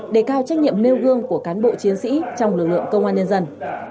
để cao trách nhiệm nêu gương của cán bộ chiến sĩ trong lực lượng công an nhân dân